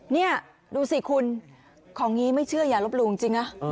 นี่ดูสิคุณของนี้ไม่เชื่ออย่าลบหลู่จริงนะ